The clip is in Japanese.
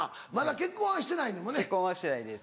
結婚はしてないです。